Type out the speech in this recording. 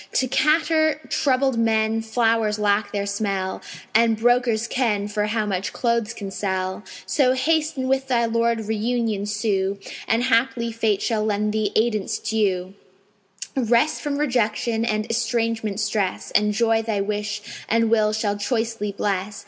To catarrh troubled men flowers lack their smell; And brokers ken for how much clothes can sell; So haste and with thy Lord reunion sue, And haply Fate shall lend thee aidance due, Rest from rejection and estrangement stress, And Joy thy wish and will shall choicely bless.